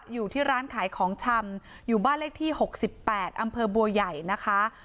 อยู่ที่ร้านขายของชำอยู่บ้านเลขที่๖๘อำเภอบัวใหญ่นะคะ